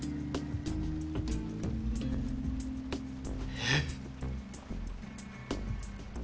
えっ？